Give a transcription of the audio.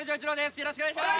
よろしくお願いします！